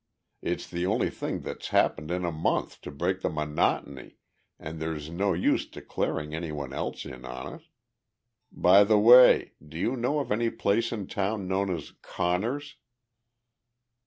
It's the only thing that's happened in a month to break the monotony and there's no use declaring anyone else in on it. By the way, do you know of any place in town known as Conner's?"